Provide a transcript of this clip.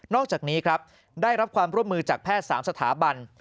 อกจากนี้ครับได้รับความร่วมมือจากแพทย์๓สถาบัน